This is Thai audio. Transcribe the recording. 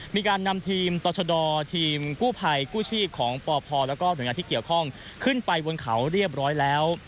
มีการนำทีมต่อชะดอทีมกู้ภัยกู้ชีพของปพแล้วก็หน่วยงานที่เกี่ยวข้องขึ้นไปบนเขาเรียบร้อยแล้ว